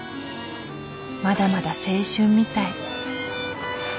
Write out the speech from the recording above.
まだまだ青春みたい。